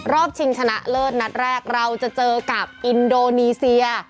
ชิงชนะเลิศนัดแรกเราจะเจอกับอินโดนีเซีย